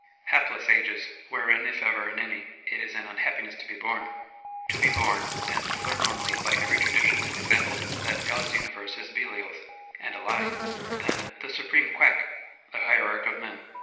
Hapless ages: wherein, if ever in any, it is an unhappiness to be born. To be born, and to learn only, by every tradition and example, that God's Universe is Belial's and a Lie; and "the Supreme Quack" the hierarch of men!